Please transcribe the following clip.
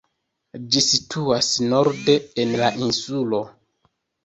Ĝi situas norde en la insulo.